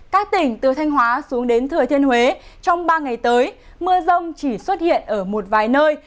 các tỉnh từ thanh hóa xuống đến thừa thiên huế trong ba ngày tới mưa rông chỉ xuất hiện ở một vài nơi